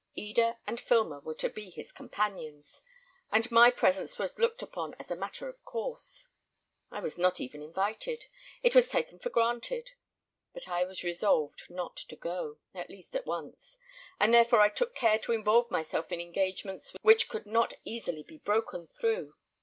Eda and Filmer were to be his companions, and my presence was looked upon as a matter of course. I was not even invited: it was taken for granted. But I was resolved not to go, at least at once, and therefore I took care to involve myself in engagements which could not easily be broken through.